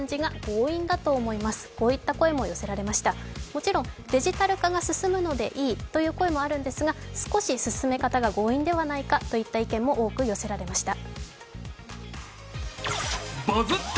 もちろんデジタル化が進むのでいいという声もあるんですが少し進め方が強引ではないかといった意見も多く寄せられました。